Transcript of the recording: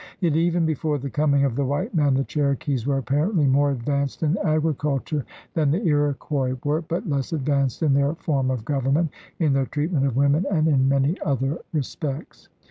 Yet even before the coming of the white man the Cherokees were apparently more advanced in agriculture than the Iroquois were, but less advanced in their form of government, in their treatment of women, and in many other respects.